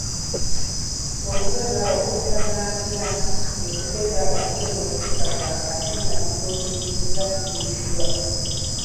Okutega enkaŋantira kwe kutega omutego ne gutakwasa ng'ate ne ky'otegesezza kiriiriddwa.